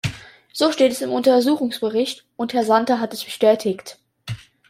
So steht es im Untersuchungsbericht, und Herr Santer hat das bestätigt.